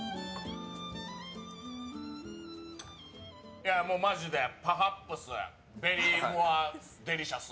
いや、もうマジでパハップスベリーモアデリシャス。